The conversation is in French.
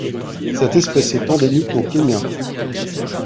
Cette espèce est endémique au Kenya.